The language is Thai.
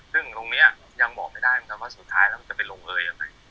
ซึ่งตรงเนี่ยยังบอกไม่ได้ว่าสุดท้ายแล้วมันจะไปลงเลยล่ะไง